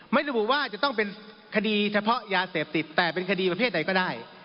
ระบุว่าจะต้องเป็นคดีเฉพาะยาเสพติดแต่เป็นคดีประเภทใดก็ได้